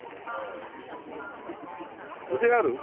筆ある？